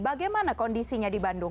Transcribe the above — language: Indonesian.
bagaimana kondisinya di bandung